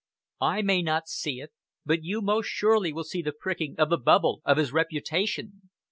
I may not see it, but you most surely will see the pricking of the bubble of his reputation.